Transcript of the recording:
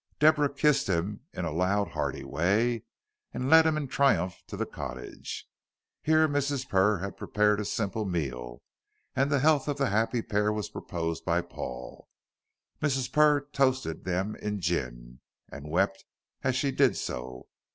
Deborah kissed him in a loud, hearty way, and led him in triumph to the cottage. Here Mrs. Purr had prepared a simple meal, and the health of the happy pair was proposed by Paul. Mrs. Purr toasted them in gin, and wept as she did so.